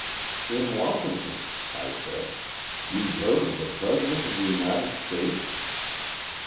"In Washington," I said; "you've heard of the President of the United States?"